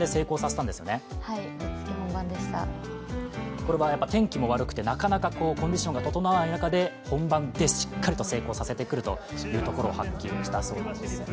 これは天気も悪くて、なかなかコンディションも整わない中で、本番でしっかりと成功させてくるということを聞きました。